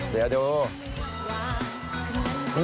เดี๋ยวดู